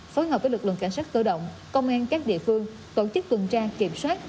phối hợp với lực lượng cảnh sát cơ động công an các địa phương tổ chức tuần tra kiểm soát